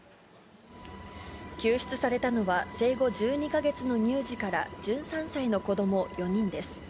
救出されたのは、生後１２か月の乳児から１３歳の子ども４人です。